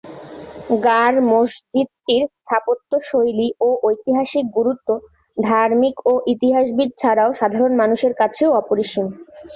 গার মসজিদটির স্থাপত্যশৈলী ও ঐতিহাসিক গুরুত্ব ধার্মিক ও ইতিহাসবিদ ছাড়াও সাধারণ মানুষের কাছেও অপরিসীম।